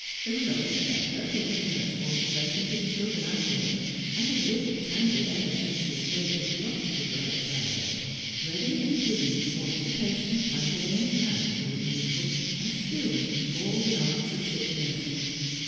There was old Eebecca, who had nursed Walter Blake and his children after him, and had lived at Tangley ever since the estate had belonged to the Blake family, ready and willing to watch the patient by day and night, were it needful, and skilled in all the arts of sick nursing.